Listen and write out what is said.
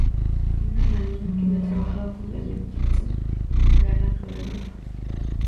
Tina Landon, quien ha trabajado con Janet Jackson, será la coreógrafa.